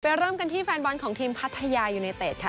เริ่มกันที่แฟนบอลของทีมพัทยายูเนเต็ดค่ะ